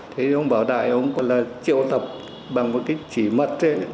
thế ông bảo đại ông cũng là triệu tập bằng một cái chỉ mật đấy